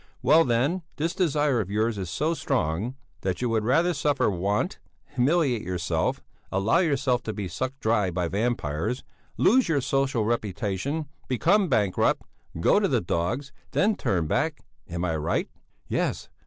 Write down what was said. Well, then, this desire of yours is so strong, that you would rather suffer want, humiliate yourself, allow yourself to be sucked dry by vampires, lose your social reputation, become bankrupt, go to the dogs than turn back. Am I right?" "Yes!